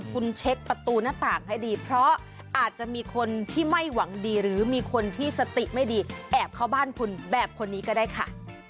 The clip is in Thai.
คุณเช็คประตูหน้าต่างให้ดีเพราะอาจจะมีคนที่ไม่หวังดีหรือมีคนที่สติไม่ดีแอบเข้าบ้านคุณแบบคนนี้ก็ได้ค่ะ